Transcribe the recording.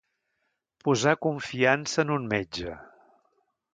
Posar confiança en un metge.